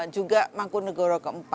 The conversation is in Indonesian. juga mangku negoro ke empat